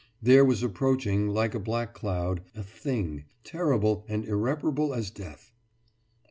There was approaching, like a black cloud, a Thing, terrible and irreparable as death.